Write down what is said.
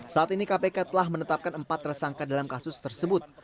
saat ini kpk telah menetapkan empat tersangka dalam kasus tersebut